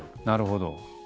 なるほど。